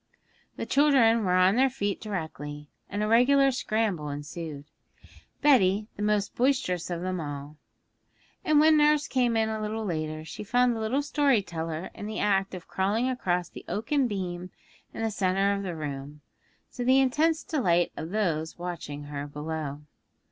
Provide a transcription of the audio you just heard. The children were on their feet directly, and a regular scramble ensued, Betty the most boisterous of them all. And when nurse came in a little later, she found the little story teller in the act of crawling across the oaken beam in the centre of the room, to the intense delight of those watching her below.